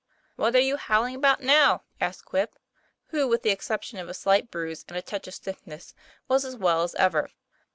" What are you howling about now ?" asked Quip, who with the exception of a slight bruise and a touch of stiffness, was as well as ever.